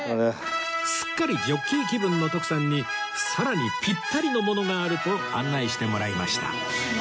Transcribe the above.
すっかりジョッキー気分の徳さんにさらにピッタリのものがあると案内してもらいました